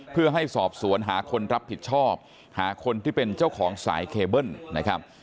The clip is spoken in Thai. เพื่อให้สอบสวนหาคนรับผิดชอบหาคนที่เป็นเจ้าของสายเคเบิ้ลนะครับ